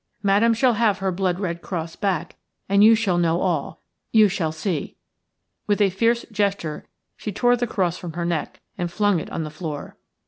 Madame shall have her blood red cross back and you shall know all. You shall see." With a fierce gesture she tore the cross from her neck and flung it on the floor.